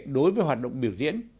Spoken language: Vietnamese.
đối với hoạt động biểu diễn